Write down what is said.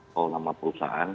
atau nama perusahaan